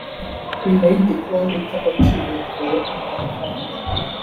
nyuma y’igikombe cy’Agaciro Development Fund